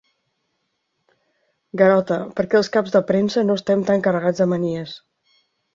Garota—, perquè els caps de premsa no estem tan carregats de manies.